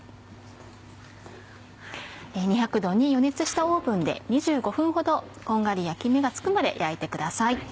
２００℃に予熱したオーブンで２５分ほどこんがり焼き目がつくまで焼いてください。